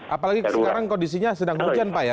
apalagi sekarang kondisinya sedang hujan pak ya